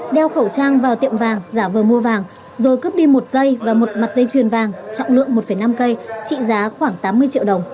đeo khẩu trang vào tiệm vàng giả vờ mua vàng rồi cướp đi một giây và một mặt dây chuyền vàng trọng lượng một năm cây trị giá khoảng tám mươi triệu đồng